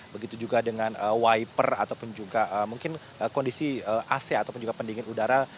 begitu juga dengan wiper ataupun juga mungkin kondisi ac ataupun juga pendingin udara